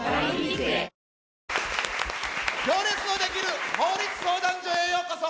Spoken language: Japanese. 行列のできる法律相談所へようこそ。